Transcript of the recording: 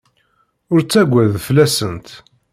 Ur ttaggad fell-asent.